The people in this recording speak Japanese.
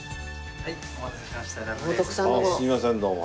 はい。